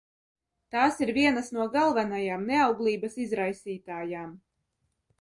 Tās ir vienas no galvenajām neauglības izraisītājām.